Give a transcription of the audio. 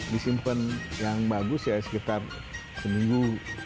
disimpan yang bagus ya sekitar seminggu